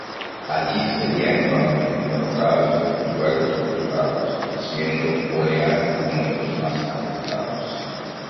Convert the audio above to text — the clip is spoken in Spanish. Allí serían nuevamente interrogados y luego torturados, siendo Olea uno de los más afectados.